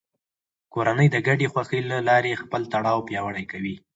کورنۍ د ګډې خوښۍ له لارې خپل تړاو پیاوړی کوي